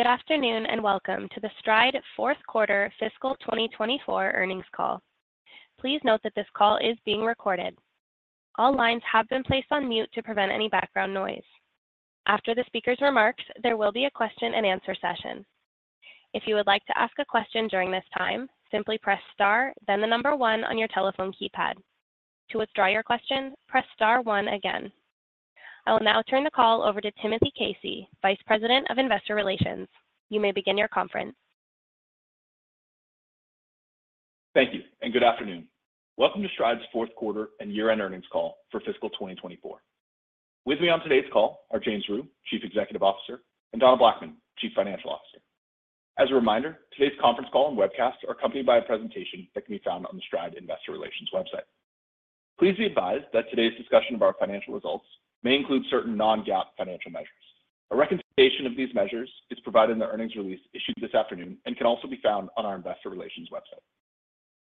Good afternoon, and welcome to the Stride fourth quarter fiscal 2024 earnings call. Please note that this call is being recorded. All lines have been placed on mute to prevent any background noise. After the speaker's remarks, there will be a question and answer session. If you would like to ask a question during this time, simply press star, then the number 1 on your telephone keypad. To withdraw your question, press star one again. I will now turn the call over to Timothy Casey, Vice President of Investor Relations. You may begin your conference. Thank you and good afternoon. Welcome to Stride's fourth quarter and year-end earnings call for fiscal 2024. With me on today's call are James Rhyu, Chief Executive Officer, and Donna Blackman, Chief Financial Officer. As a reminder, today's conference call and webcast are accompanied by a presentation that can be found on the Stride Investor Relations website. Please be advised that today's discussion of our financial results may include certain non-GAAP financial measures. A reconciliation of these measures is provided in the earnings release issued this afternoon and can also be found on our investor relations website.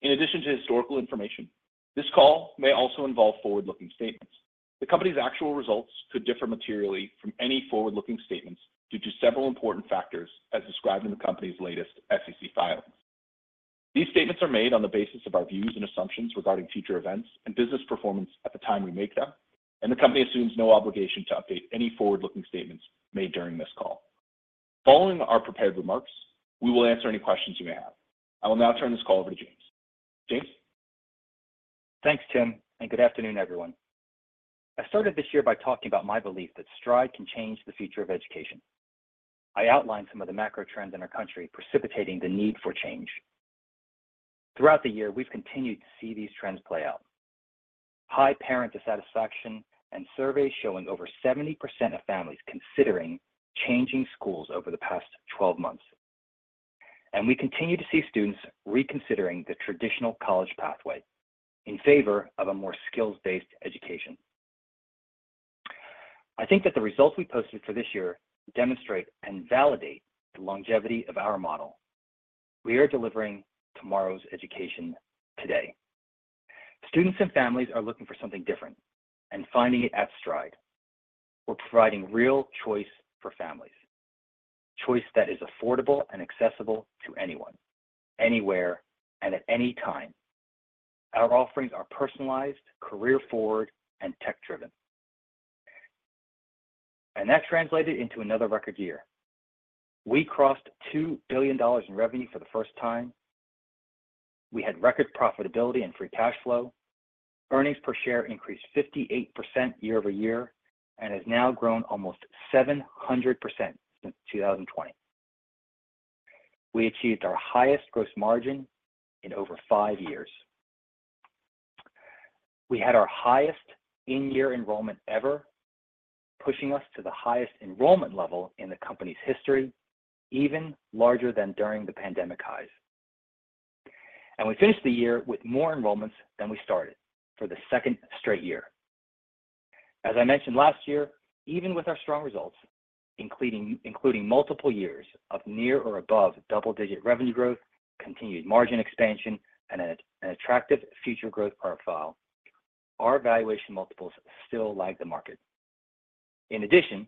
In addition to historical information, this call may also involve forward-looking statements. The company's actual results could differ materially from any forward-looking statements due to several important factors as described in the company's latest SEC filing. These statements are made on the basis of our views and assumptions regarding future events and business performance at the time we make them, and the company assumes no obligation to update any forward-looking statements made during this call. Following our prepared remarks, we will answer any questions you may have. I will now turn this call over to James. James? Thanks, Tim, and good afternoon, everyone. I started this year by talking about my belief that Stride can change the future of education. I outlined some of the macro trends in our country precipitating the need for change. Throughout the year, we've continued to see these trends play out. High parent dissatisfaction, surveys showing over 70% of families considering changing schools over the past 12 months, and we continue to see students reconsidering the traditional college pathway in favor of a more skills-based education. I think that the results we posted for this year demonstrate and validate the longevity of our model. We are delivering tomorrow's education today. Students and families are looking for something different and finding it at Stride. We're providing real choice for families, choice that is affordable and accessible to anyone, anywhere, and at any time. Our offerings are personalized, career-forward, and tech-driven. And that translated into another record year. We crossed $2 billion in revenue for the first time. We had record profitability and free cash flow. Earnings per share increased 58% year-over-year and has now grown almost 700% since 2020. We achieved our highest gross margin in over five years. We had our highest in-year enrollment ever, pushing us to the highest enrollment level in the company's history, even larger than during the pandemic highs. We finished the year with more enrollments than we started for the second straight year. As I mentioned last year, even with our strong results, including multiple years of near or above double-digit revenue growth, continued margin expansion, and an attractive future growth profile, our valuation multiples still lag the market. In addition,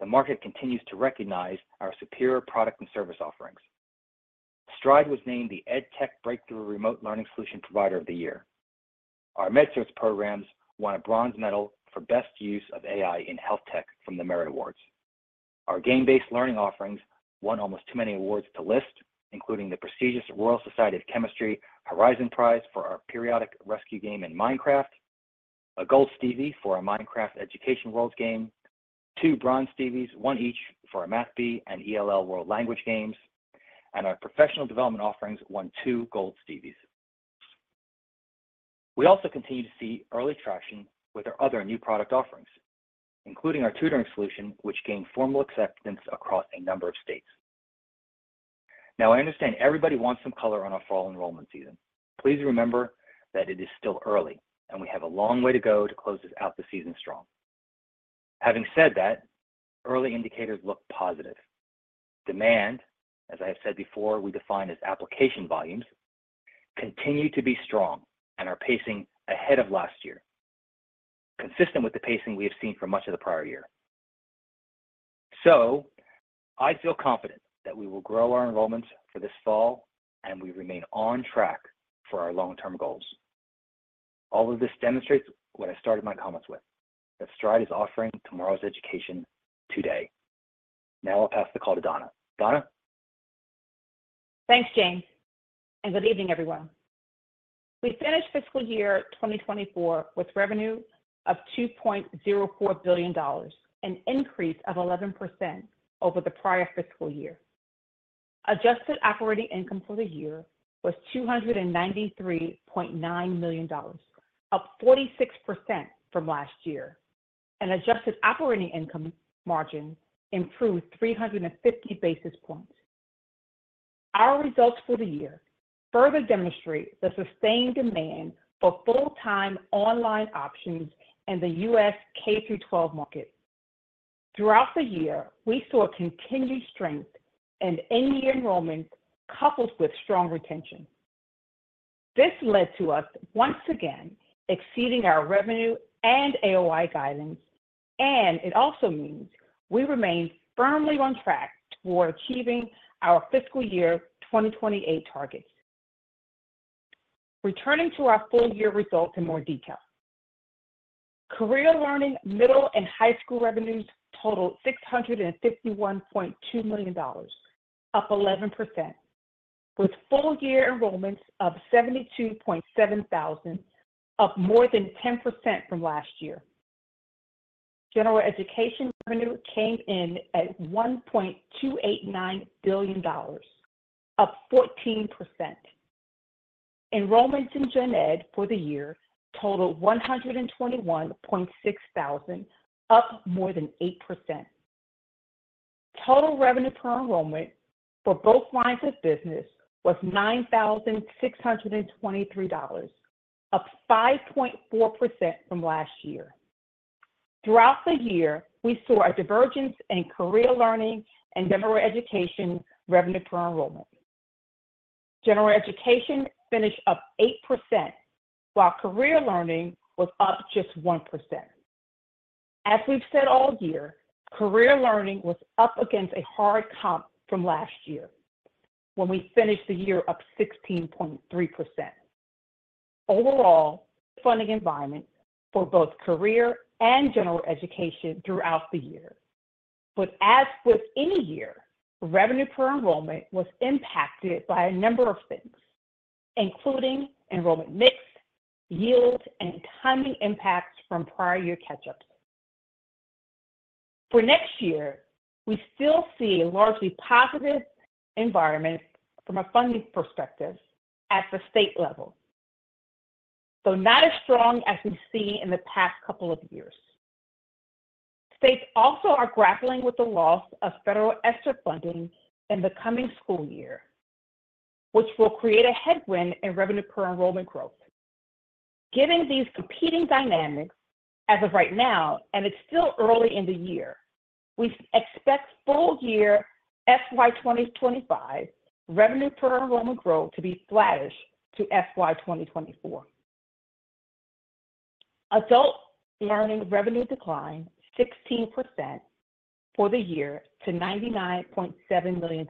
the market continues to recognize our superior product and service offerings. Stride was named the EdTech Breakthrough Remote Learning Solution Provider of the Year. Our MedCerts programs won a bronze medal for Best Use of AI in HealthTech from the Merit Awards. Our game-based learning offerings won almost too many awards to list, including the prestigious Royal Society of Chemistry Horizon Prize for our Periodic Rescue game in Minecraft, a Gold Stevie for our Minecraft Education Worlds game, two Bronze Stevies, one each for our Math Bee and ELL/World Languages games, and our professional development offerings won two Gold Stevies. We also continue to see early traction with our other new product offerings, including our tutoring solution, which gained formal acceptance across a number of states. Now, I understand everybody wants some color on our fall enrollment season. Please remember that it is still early, and we have a long way to go to close out the season strong. Having said that, early indicators look positive. Demand, as I have said before, we define as application volumes, continue to be strong and are pacing ahead of last year, consistent with the pacing we have seen for much of the prior year. So I feel confident that we will grow our enrollments for this fall, and we remain on track for our long-term goals. All of this demonstrates what I started my comments with, that Stride is offering tomorrow's education today. Now I'll pass the call to Donna. Donna? Thanks, James, and good evening, everyone. We finished fiscal year 2024 with revenue of $2.04 billion, an increase of 11% over the prior fiscal year. Adjusted operating income for the year was $293.9 million, up 46% from last year, and adjusted operating income margin improved 350 basis points. Our results for the year further demonstrate the sustained demand for full-time online options in the US K-12 market. Throughout the year, we saw continued strength and in-year enrollment coupled with strong retention.... This led to us once again exceeding our revenue and AOI guidance, and it also means we remain firmly on track toward achieving our fiscal year 2028 targets. Returning to our full year results in more detail. Career Learning, middle, and high school revenues totaled $651.2 million, up 11%, with full year enrollments of 72.7 thousand, up more than 10% from last year. General Education revenue came in at $1.289 billion, up 14%. Enrollments in Gen Ed for the year totaled 121.6 thousand, up more than 8%. Total revenue per enrollment for both lines of business was $9,623, up 5.4% from last year. Throughout the year, we saw a divergence in Career Learning and General Education revenue per enrollment. General Education finished up 8%, while Career Learning was up just 1%. As we've said all year, Career Learning was up against a hard comp from last year when we finished the year up 16.3%. Overall, funding environment for both Career Learning and General Education throughout the year. But as with any year, revenue per enrollment was impacted by a number of things, including enrollment mix, yield, and timing impacts from prior year catch-ups. For next year, we still see a largely positive environment from a funding perspective at the state level, though not as strong as we see in the past couple of years. States also are grappling with the loss of federal ESSER funding in the coming school year, which will create a headwind in revenue per enrollment growth. Given these competing dynamics, as of right now, and it's still early in the year, we expect full year FY 2025 revenue per enrollment growth to be flattish to FY 2024. Adult learning revenue declined 16% for the year to $99.7 million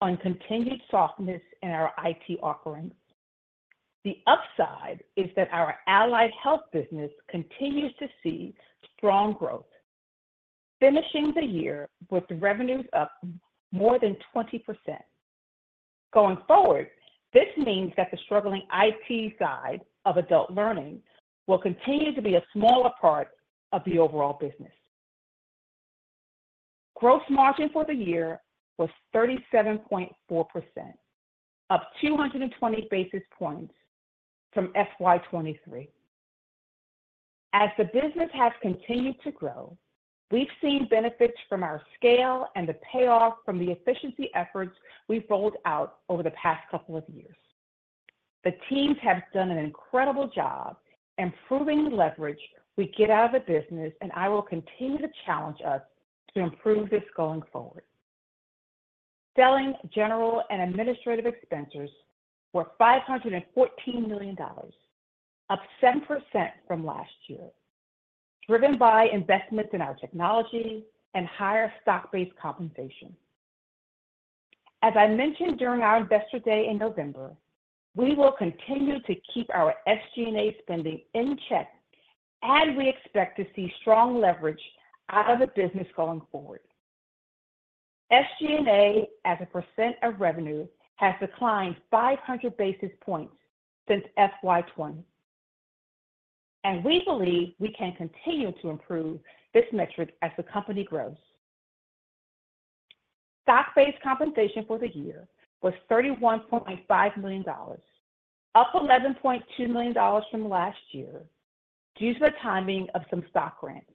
on continued softness in our IT offerings. The upside is that our allied health business continues to see strong growth, finishing the year with revenues up more than 20%. Going forward, this means that the struggling IT side of adult learning will continue to be a smaller part of the overall business. Gross margin for the year was 37.4%, up 220 basis points from FY 2023. As the business has continued to grow, we've seen benefits from our scale and the payoff from the efficiency efforts we've rolled out over the past couple of years. The teams have done an incredible job improving the leverage we get out of the business, and I will continue to challenge us to improve this going forward. Selling, general, and administrative expenses were $514 million, up 7% from last year, driven by investments in our technology and higher stock-based compensation. As I mentioned during our Investor Day in November, we will continue to keep our SG&A spending in check, and we expect to see strong leverage out of the business going forward. SG&A, as a percent of revenue, has declined 500 basis points since FY 2020, and we believe we can continue to improve this metric as the company grows. Stock-based compensation for the year was $31.5 million, up $11.2 million from last year due to the timing of some stock grants.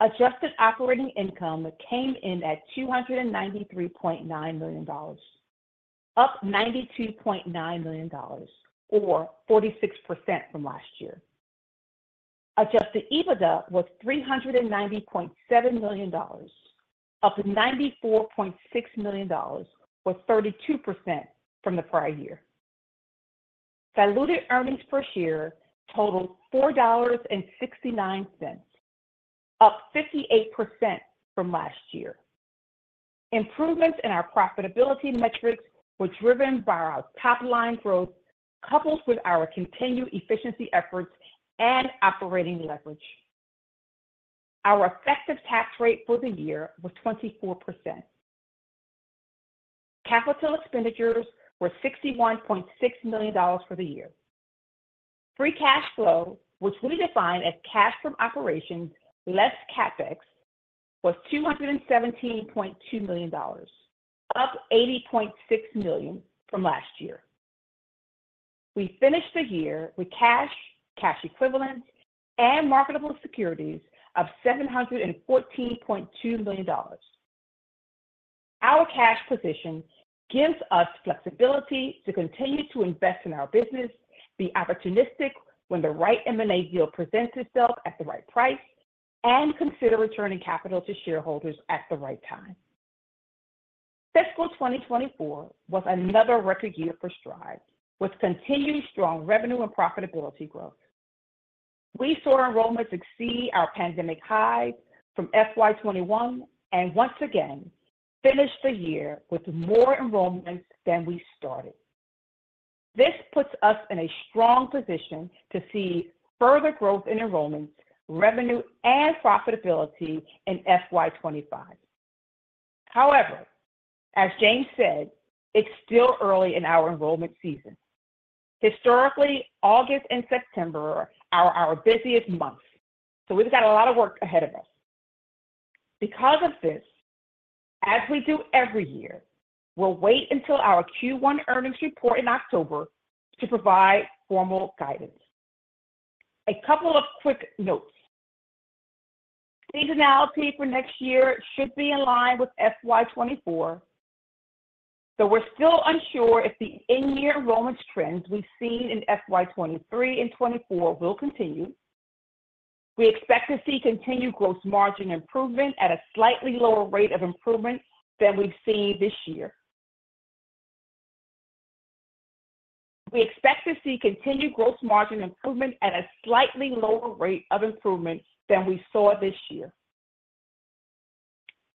Adjusted operating income came in at $293.9 million, up $92.9 million, or 46% from last year. Adjusted EBITDA was $390.7 million, up $94.6 million, or 32% from the prior year. Diluted earnings per share totaled $4.69, up 58% from last year. Improvements in our profitability metrics were driven by our top-line growth, coupled with our continued efficiency efforts and operating leverage. Our effective tax rate for the year was 24%. Capital expenditures were $61.6 million for the year. Free cash flow, which we define as cash from operations less CapEx, was $217.2 million, up $80.6 million from last year. We finished the year with cash, cash equivalents, and marketable securities of $714.2 million. Our cash position gives us flexibility to continue to invest in our business, be opportunistic when the right M&A deal presents itself at the right price, and consider returning capital to shareholders at the right time. Fiscal 2024 was another record year for Stride, with continued strong revenue and profitability growth. We saw enrollments exceed our pandemic high from FY 2021, and once again finished the year with more enrollments than we started. This puts us in a strong position to see further growth in enrollments, revenue, and profitability in FY 2025. However, as James said, it's still early in our enrollment season. Historically, August and September are our busiest months, so we've got a lot of work ahead of us. Because of this, as we do every year, we'll wait until our Q1 earnings report in October to provide formal guidance. A couple of quick notes. Seasonality for next year should be in line with FY 2024, though we're still unsure if the in-year enrollment trends we've seen in FY 2023 and 2024 will continue. We expect to see continued gross margin improvement at a slightly lower rate of improvement than we've seen this year. We expect to see continued gross margin improvement at a slightly lower rate of improvement than we saw this year.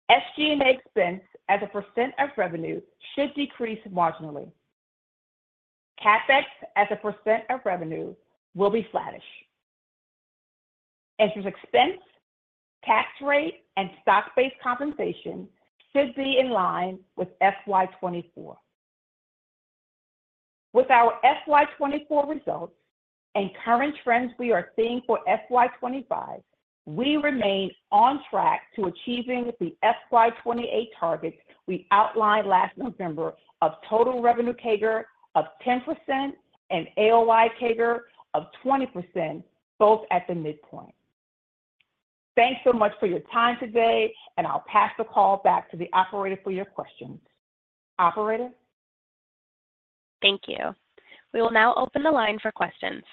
SG&A expense as a percent of revenue should decrease marginally. CapEx as a percent of revenue will be flattish. Interest expense, tax rate, and stock-based compensation should be in line with FY 2024. With our FY 2024 results and current trends we are seeing for FY 2025, we remain on track to achieving the FY 2028 targets we outlined last November of total revenue CAGR of 10% and AOI CAGR of 20%, both at the midpoint. Thanks so much for your time today, and I'll pass the call back to the operator for your questions. Operator? Thank you. We will now open the line for questions.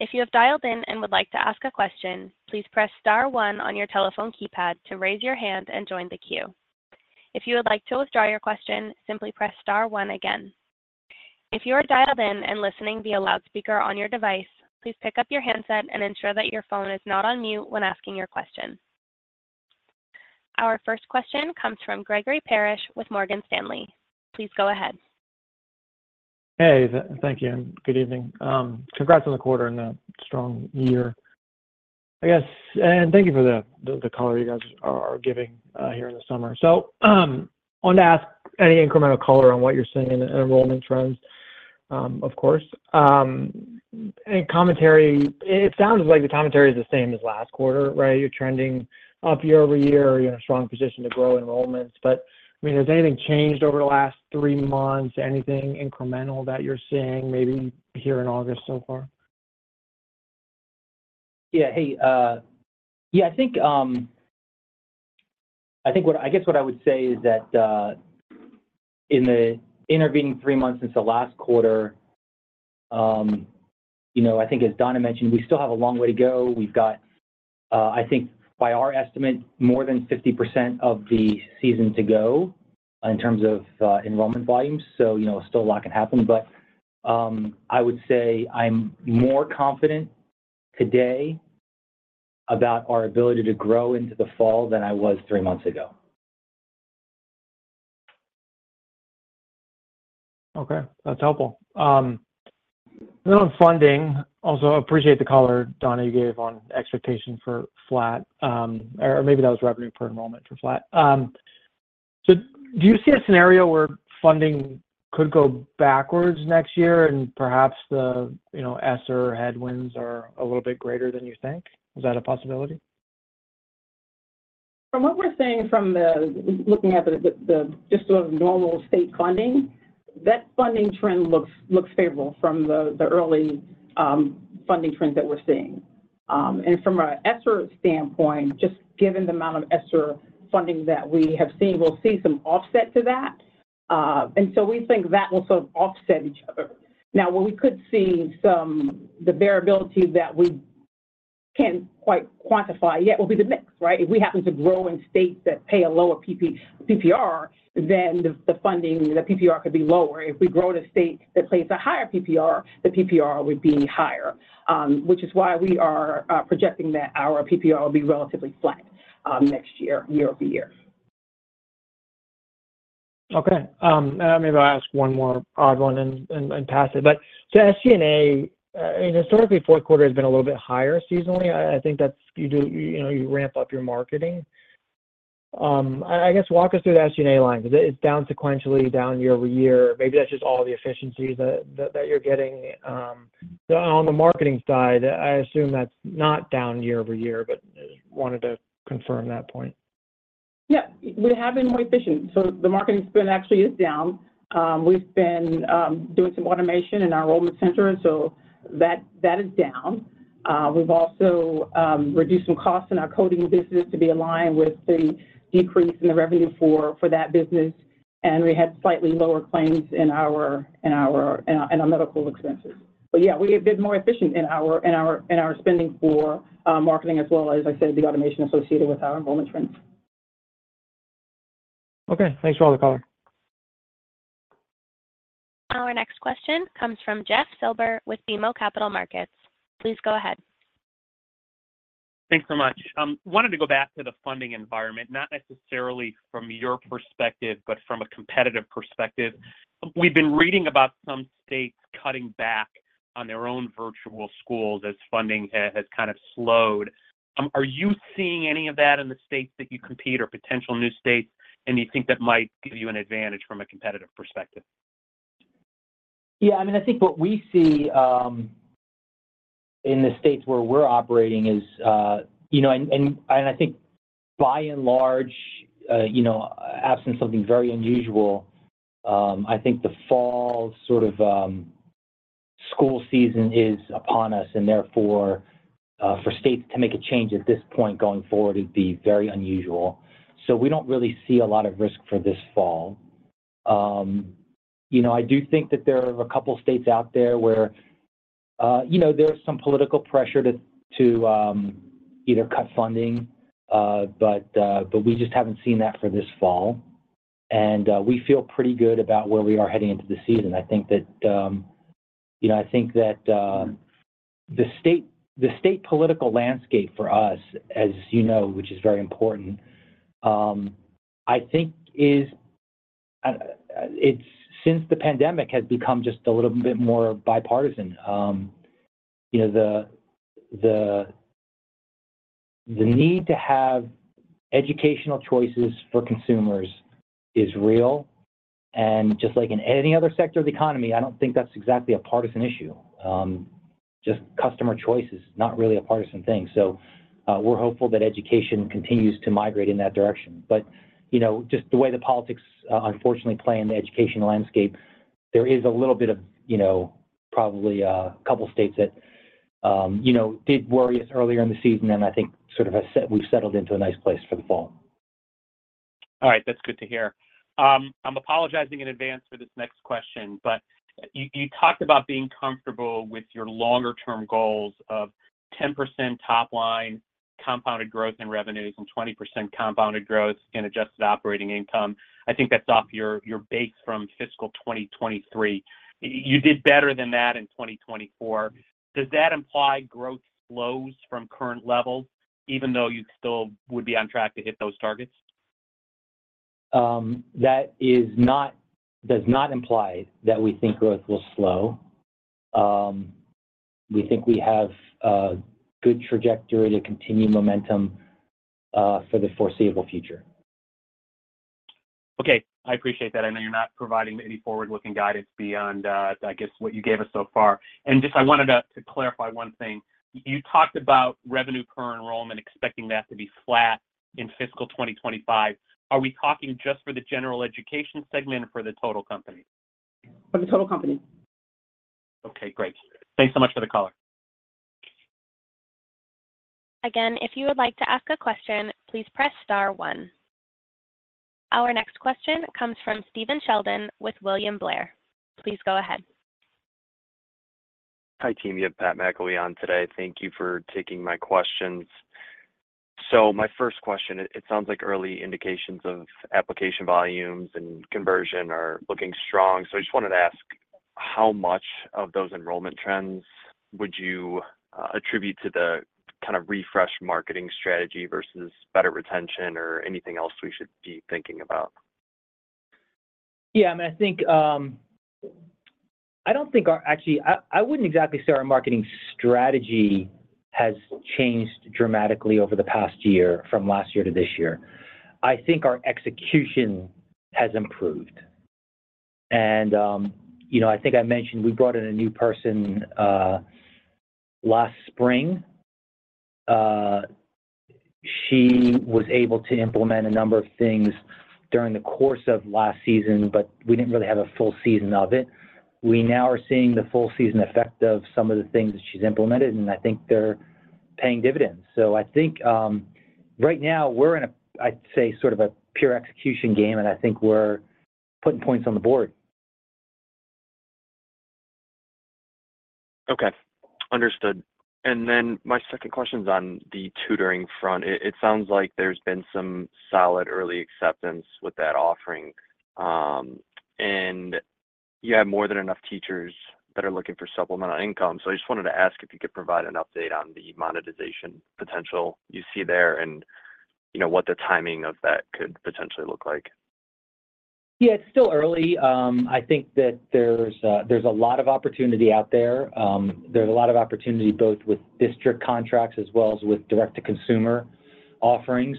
If you have dialed in and would like to ask a question, please press star one on your telephone keypad to raise your hand and join the queue. If you would like to withdraw your question, simply press star one again. If you are dialed in and listening via loudspeaker on your device, please pick up your handset and ensure that your phone is not on mute when asking your question. Our first question comes from Gregory Parrish with Morgan Stanley. Please go ahead. Hey, thank you, and good evening. Congrats on the quarter and the strong year, I guess. Thank you for the color you guys are giving here in the summer. So, I wanted to ask any incremental color on what you're seeing in enrollment trends, of course. Any commentary... It sounds like the commentary is the same as last quarter, right? You're trending up year over year. You're in a strong position to grow enrollments. But, I mean, has anything changed over the last three months? Anything incremental that you're seeing, maybe here in August so far? Yeah. Hey, yeah, I think, I guess what I would say is that, in the intervening three months since the last quarter, you know, I think as Donna mentioned, we still have a long way to go. We've got, I think by our estimate, more than 50% of the season to go in terms of, enrollment volumes. So, you know, still a lot can happen. But, I would say I'm more confident today about our ability to grow into the fall than I was three months ago. Okay, that's helpful. On funding, also, I appreciate the color, Donna, you gave on expectation for flat, or maybe that was revenue per enrollment for flat. So do you see a scenario where funding could go backwards next year, and perhaps the, you know, ESSER headwinds are a little bit greater than you think? Is that a possibility? From what we're seeing, looking at the just sort of normal state funding, that funding trend looks favorable from the early funding trends that we're seeing. And from a ESSER standpoint, just given the amount of ESSER funding that we have seen, we'll see some offset to that. And so we think that will sort of offset each other. Now, where we could see some... the variability that we can't quite quantify yet, will be the mix, right? If we happen to grow in states that pay a lower PPR, then the funding, the PPR could be lower. If we grow in a state that pays a higher PPR, the PPR would be higher, which is why we are projecting that our PPR will be relatively flat, next year-over-year. Okay, maybe I'll ask one more odd one and pass it. But so SG&A, I mean, historically, fourth quarter has been a little bit higher seasonally. I think that's what you do. You know, you ramp up your marketing. I guess walk us through the SG&A line. It's down sequentially, down year over year. Maybe that's just all the efficiencies that you're getting. But on the marketing side, I assume that's not down year over year, but just wanted to confirm that point. Yeah, we have been more efficient, so the marketing spend actually is down. We've been doing some automation in our enrollment center, so that is down. We've also reduced some costs in our coding business to be aligned with the decrease in the revenue for that business. And we had slightly lower claims in our medical expenses. But yeah, we have been more efficient in our spending for marketing as well as, I said, the automation associated with our enrollment trends. Okay, thanks for all the color. Our next question comes from Jeff Silber with BMO Capital Markets. Please go ahead. Thanks so much. Wanted to go back to the funding environment, not necessarily from your perspective, but from a competitive perspective. We've been reading about some states cutting back on their own virtual schools as funding has kind of slowed. Are you seeing any of that in the states that you compete or potential new states, and you think that might give you an advantage from a competitive perspective? Yeah, I mean, I think what we see in the states where we're operating is, you know, and I think by and large, you know, absent something very unusual, I think the fall sort of school season is upon us, and therefore, for states to make a change at this point going forward would be very unusual. So we don't really see a lot of risk for this fall. You know, I do think that there are a couple of states out there where, you know, there's some political pressure to either cut funding, but we just haven't seen that for this fall. And we feel pretty good about where we are heading into the season. I think that, you know, I think that the state political landscape for us, as you know, which is very important, I think is, it's since the pandemic has become just a little bit more bipartisan. You know, the need to have educational choices for consumers is real, and just like in any other sector of the economy, I don't think that's exactly a partisan issue. Just customer choice is not really a partisan thing. So, we're hopeful that education continues to migrate in that direction. But, you know, just the way the politics, unfortunately, play in the education landscape, there is a little bit of, you know, probably a couple of states that, you know, did worry us earlier in the season, and I think we've settled into a nice place for the fall. All right. That's good to hear. I'm apologizing in advance for this next question, but you, you talked about being comfortable with your longer term goals of 10% top line compounded growth in revenues and 20% compounded growth in Adjusted Operating Income. I think that's off your, your base from fiscal 2023. You did better than that in 2024. Does that imply growth slows from current levels, even though you still would be on track to hit those targets? That does not imply that we think growth will slow. We think we have a good trajectory to continue momentum for the foreseeable future. Okay, I appreciate that. I know you're not providing any forward-looking guidance beyond, I guess, what you gave us so far. And just I wanted to clarify one thing. You talked about revenue per enrollment, expecting that to be flat in fiscal 2025. Are we talking just for the General Education segment or for the total company? For the total company. Okay, great. Thanks so much for the color. Again, if you would like to ask a question, please press star one. Our next question comes from Stephen Sheldon with William Blair. Please go ahead. Hi, team. You have Pat McElyea today. Thank you for taking my questions. So my first question, it sounds like early indications of application volumes and conversion are looking strong. So I just wanted to ask, how much of those enrollment trends would you attribute to the kind of refresh marketing strategy versus better retention or anything else we should be thinking about? Yeah, I mean, I think I don't think actually I wouldn't exactly say our marketing strategy has changed dramatically over the past year from last year to this year. I think our execution has improved. And you know, I think I mentioned we brought in a new person last spring. She was able to implement a number of things during the course of last season, but we didn't really have a full season of it. We now are seeing the full season effect of some of the things that she's implemented, and I think they're paying dividends. So I think right now, we're in a, I'd say, sort of a pure execution game, and I think we're putting points on the board. Okay, understood. And then my second question is on the tutoring front. It sounds like there's been some solid early acceptance with that offering, and you have more than enough teachers that are looking for supplemental income. So I just wanted to ask if you could provide an update on the monetization potential you see there and, you know, what the timing of that could potentially look like. Yeah, it's still early. I think that there's a lot of opportunity out there. There's a lot of opportunity both with district contracts as well as with direct-to-consumer offerings.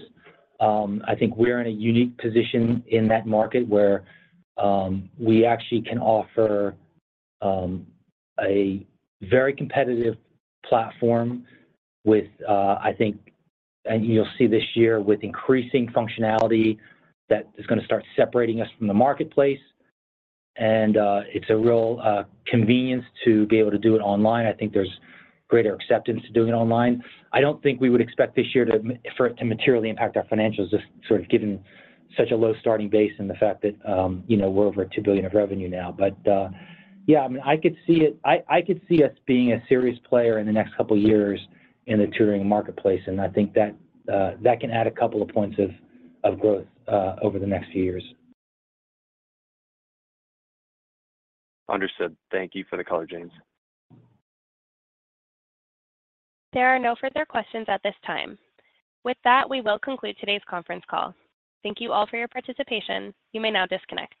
I think we're in a unique position in that market where we actually can offer a very competitive platform with, I think, and you'll see this year with increasing functionality that is gonna start separating us from the marketplace, and it's a real convenience to be able to do it online. I think there's greater acceptance to doing it online. I don't think we would expect this year to, for it to materially impact our financials, just sort of given such a low starting base and the fact that, you know, we're over $2 billion of revenue now. But, yeah, I mean, I could see it, I could see us being a serious player in the next couple of years in the tutoring marketplace, and I think that that can add a couple of points of growth over the next few years. Understood. Thank you for the call, James. There are no further questions at this time. With that, we will conclude today's conference call. Thank you all for your participation. You may now disconnect.